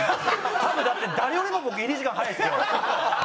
多分だって誰よりも僕入り時間早いですよ。